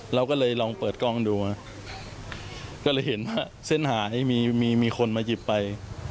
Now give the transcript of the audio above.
เราก็เลยลองเปิดกล้องดูก็เลยเห็นว่าเส้นหายมีมีคนมาหยิบไป